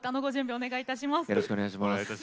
お願いいたします。